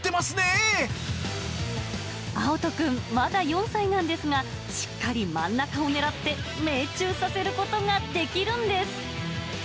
あおとくん、まだ４歳なんですが、しっかり真ん中を狙って、命中させることができるんです。